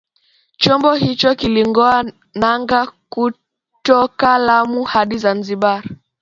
Chombo hicho kilingoa nanga kutoka Lamu hadi Zanzibar